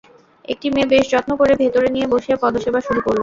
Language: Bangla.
একটি মেয়ে বেশ যত্ন করে ভেতরে নিয়ে বসিয়ে পদসেবা শুরু করল।